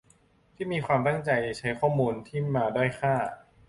ที่มีความตั้งใจใช้ข้อมูลที่มาด้อยค่า